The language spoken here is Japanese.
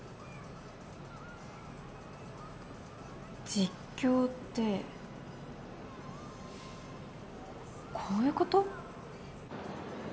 実況ってこういうこと？